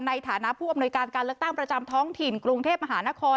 ในฐานะผู้อำนวยการการเลือกตั้งประจำท้องถิ่นกรุงเทพมหานคร